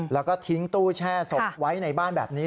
แล้วก็ทิ้งตู้แช่ศพไว้ในบ้านแบบนี้